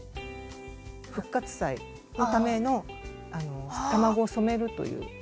復活祭のための卵を染めるという体験を。